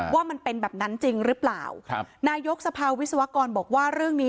ว่ามันเป็นแบบนั้นจริงหรือเปล่าครับนายกสภาวิศวกรบอกว่าเรื่องนี้